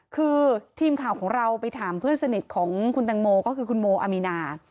คือทีมข่าวของเราไปถามเพื่อนสนิทของคุณแตงโมก็คือคุณโมอามีนา